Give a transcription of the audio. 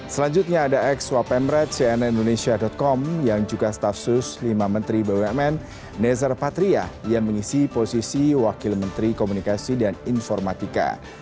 selanjutnya ada ex wapemret cnn indonesia com yang juga staf sus lima menteri bumn nezar patria yang mengisi posisi wakil menteri komunikasi dan informatika